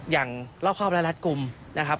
อย่างเล่าครอบร้านรัฐกลุ่มนะครับ